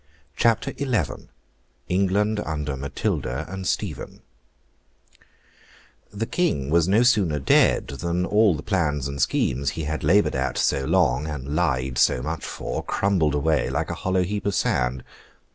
CHAPTER XI ENGLAND UNDER MATILDA AND STEPHEN The King was no sooner dead than all the plans and schemes he had laboured at so long, and lied so much for, crumbled away like a hollow heap of sand.